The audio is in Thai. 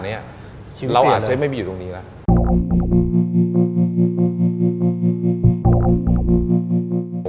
วิ่งผ่านเนี่ยเราอาจจะไม่มีอยู่ตรงนี้แล้ว